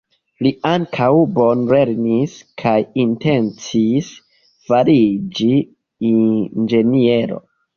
Li ankaŭ bone lernis kaj intencis fariĝi inĝeniero.